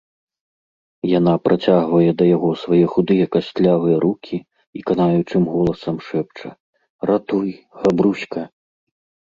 Яна працягвае да яго свае худыя кастлявыя рукi i канаючым голасам шэпча: "Ратуй, Габруська!..